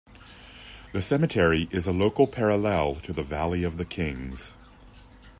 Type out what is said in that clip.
The cemetery is a local parallel to the Valley of the Kings.